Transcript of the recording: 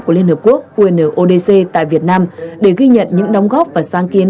của liên hợp quốc qnodc tại việt nam để ghi nhận những đóng góp và sáng kiến